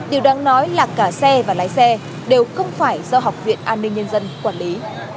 điều đáng nói là cả xe và lái xe đều không phải do học viện an ninh nhân dân quản lý